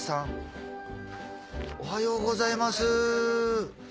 おはようございます。